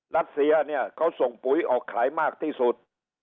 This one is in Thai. รัสเซียเนี่ยเขาส่งปุ๋ยออกขายมากที่สุด